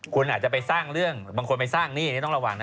คุณอาจจะไปสร้างเรื่องบางคนไปสร้างหนี้ต้องระวังนะ